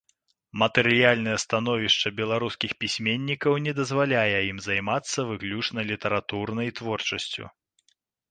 Матэрыяльнае становішча беларускіх пісьменнікаў не дазваляе ім займацца выключна літаратурнай творчасцю.